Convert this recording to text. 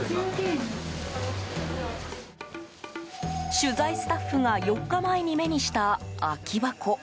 取材スタッフが４日前に目にした空き箱。